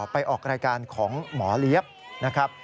ไปออกรายการของหมอเลี้ยบนะครับ